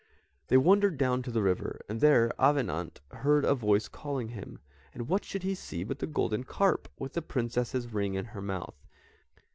They wandered down to the river, and there Avenant heard a voice calling him, and what should he see but the golden carp, with the Princess's ring in her mouth.